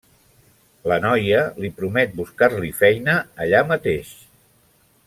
La noia li promet buscar-li feina allà mateix.